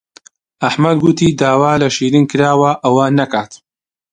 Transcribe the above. ئەحمەد گوتی داوا لە شیرین کراوە ئەوە نەکات.